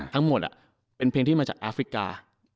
ทั้งหมดเป็นเพลงที่มาจากแอฟริกา